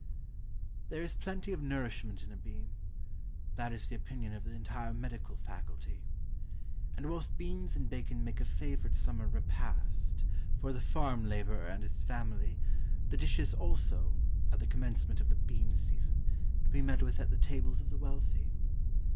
There is plenty of nourishment in a bean; that is the opinion of the entire medical faculty. And whilst beans and bacon make a favourite summer repast for the farm labourer and his family, the dish is also (at the commencement of the bean season) to be met with at the tables of the wealthy.